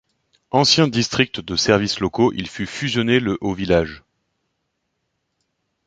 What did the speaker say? Ancien district de services locaux, il fut fusionné le au village.